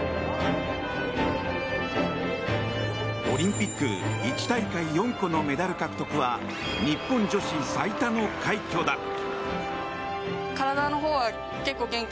オリンピック１大会４個のメダル獲得は日本女子最多の快挙だ。